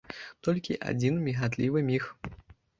Толькі адзін мігатлівы міг.